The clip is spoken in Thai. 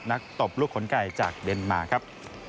ตบลูกขนไก่จากเดนมาครับ